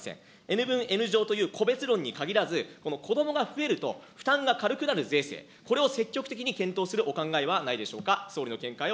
Ｎ分Ｎ乗という個別論に限らず、この子どもが増えると負担が軽くなる税制、これを積極的に検討するお考えはないでしょうか。